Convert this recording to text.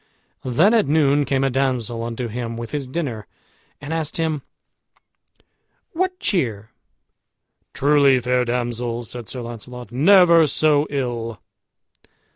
Then at noon came a damsel unto him with his dinner, and asked him, "What cheer?" "Truly, fair damsel," said Sir Launcelot, "never so ill."